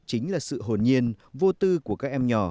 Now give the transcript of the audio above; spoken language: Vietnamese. chính là sự hồn nhiên vô tư của các em nhỏ